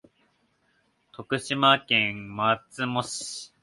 徳島県松茂町